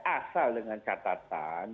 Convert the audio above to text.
asal dengan catatan